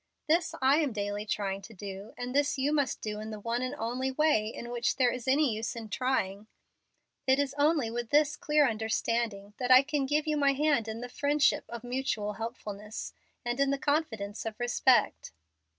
This I am daily trying to do, and this you must do in the one and only way in which there is any use in trying. It is only with this clear understanding that I can give you my hand in the friendship of mutual helpfulness, and in the confidence of respect."